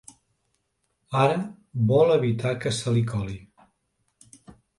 Ara vol evitar que se li coli.